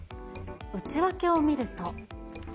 内訳を見ると。